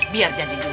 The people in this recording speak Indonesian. biar jadi gawin